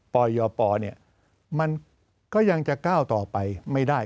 ปยปมันก็ยังจะก้าวต่อไปไม่ได้